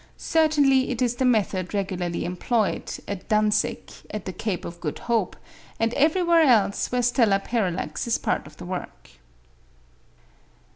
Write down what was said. Certainly it is the method regularly employed, at Dunsink, at the Cape of Good Hope, and everywhere else where stellar parallax is part of the work.